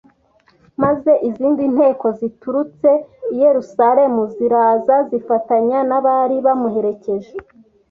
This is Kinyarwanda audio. Maze izindi nteko ziturutse i Yerusalemu, ziraza zifatanya n'abari bamuherekeje